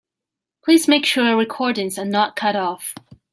Please make sure your recordings are not cut off.